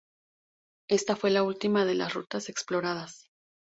Esta fue la última de las rutas exploradas.